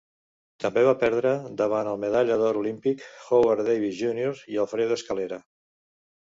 També va perdre davant el medalla d'or olímpic Howard Davis Jr. i Alfredo Escalera.